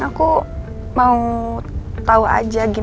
mbak ii baru beritau dia sama benci